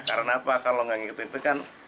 karena apa kalau gak gitu gitu kan